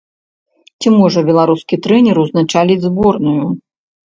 Ці можа беларускі трэнер ўзначаліць зборную?